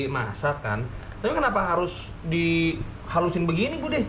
masakan tapi kenapa harus dihalusin begini bu deh